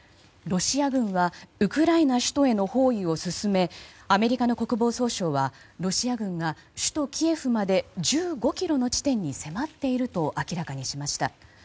ロシア軍はウクライナ首都への包囲を進めアメリカの国防総省はロシア軍が首都キエフまで１５ｋｍの地点に迫っていると明らかにしました。